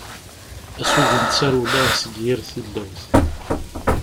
Asugen d tarewla seg yir tillawt.